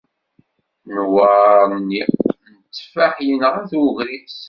Nnwaṛ-nni n tteffaḥ yenɣa-t ugris.